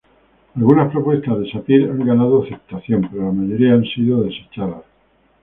Algunas propuestas de Sapir han ganado aceptación, pero la mayoría han sido desechadas.